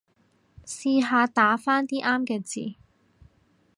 試下打返啲啱嘅字